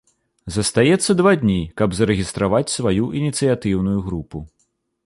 Застаецца два дні, каб зарэгістраваць сваю ініцыятыўную групу.